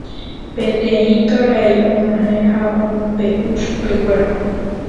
Peteĩ karai og̃uahẽ ha omombe'u chupekuéra.